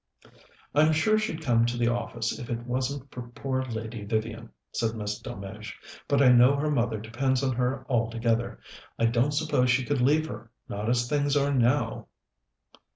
"I'm sure she'd come to the office if it wasn't for poor Lady Vivian," said Miss Delmege. "But I know her mother depends on her altogether. I don't suppose she could leave her, not as things are now."